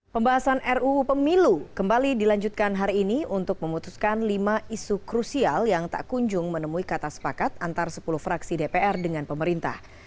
pembahasan ruu pemilu kembali dilanjutkan hari ini untuk memutuskan lima isu krusial yang tak kunjung menemui kata sepakat antara sepuluh fraksi dpr dengan pemerintah